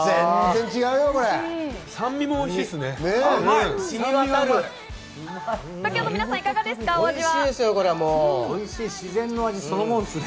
酸味もおいしいですね。